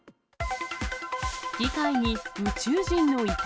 議会に宇宙人の遺体。